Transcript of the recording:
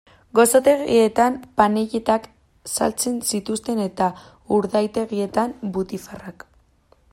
Gozotegietan panelletak saltzen zituzten eta urdaitegietan butifarrak.